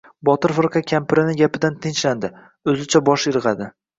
Botir firqa kampirini gapidan tinchlandi. O’zicha bosh irg‘adi.